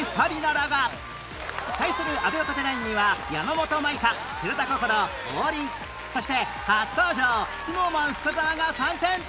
対する阿部若手ナインには山本舞香寺田心王林そして初登場 ＳｎｏｗＭａｎ 深澤が参戦